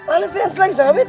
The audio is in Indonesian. ala fans lagi sama beta